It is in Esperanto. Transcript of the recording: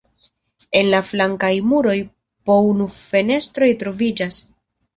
En la flankaj muroj po unu fenestroj troviĝas.